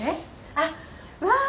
あっまあ！